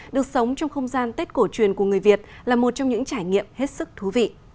được sống trong không gian tết cổ truyền của người việt là một trong những trải nghiệm hết sức thú vị